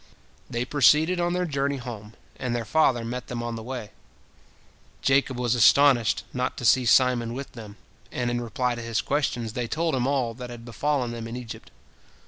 They proceeded on their journey home, and their father met them on the way. Jacob was astonished not to see Simon with them, and in reply to his questions, they told him all that had befallen them in Egypt.